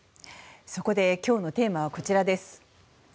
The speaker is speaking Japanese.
そこで今日のテーマはこちらです。